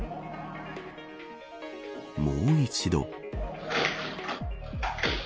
もう一度。